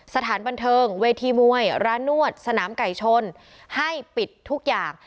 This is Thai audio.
สถานบันเทิงเวทีมวยร้านนวดสนามไก่ชนให้ปิดทุกอย่าง